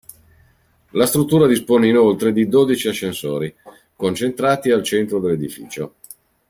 La struttura dispone inoltre di dodici ascensori, concentrati al centro dell'edificio.